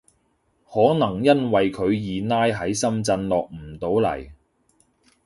可能因為佢二奶喺深圳落唔到嚟